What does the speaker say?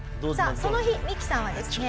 その日ミキさんはですね